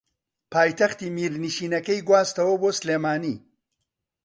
پایتەختی میرنشینەکەی گواستووەتەوە بۆ سلێمانی